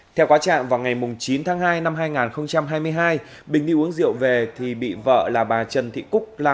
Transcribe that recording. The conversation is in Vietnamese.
theo quá trạng vào ngày chín tháng hai năm hai nghìn hai mươi hai bình đi uống rượu về thì bị vợ là bà trần thị cúc làm